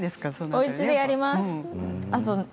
おうちでやります。